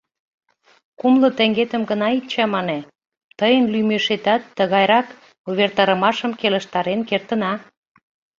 Кумло теҥгетым гына ит чамане — тыйын лӱмешетат тыгайрак увертарымашым келыштарен кертына.